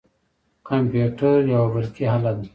کمپیوتر یوه برقي اله ده.